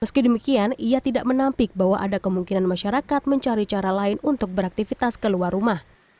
meski demikian ia tidak menampik bahwa ada kemungkinan masyarakat mencari cara lain untuk beraktivitas keluar rumah